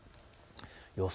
予想